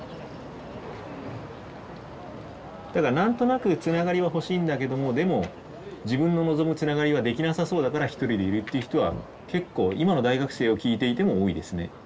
だから何となくつながりは欲しいんだけどもでも自分の望むつながりはできなさそうだからひとりでいるっていう人は結構今の大学生を聞いていても多いですね。